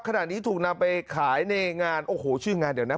ขณะนี้ถูกนำไปขายในงานโอ้โหชื่องานเดี๋ยวนะ